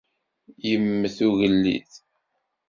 Yemmet ugellid!